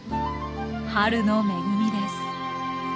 春の恵みです。